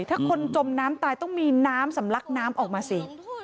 ถ้าคนจมน้ำตายต้องมีน้ำสำลักน้ำออกมาสิ